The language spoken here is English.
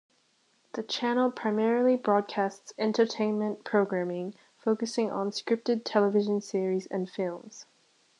The channel primarily broadcasts entertainment programming, focusing on scripted television series and films.